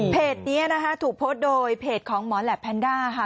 เพจนี้นะฮะถูกโพสต์โดยเพจของหมอนและแพนด้าฮะ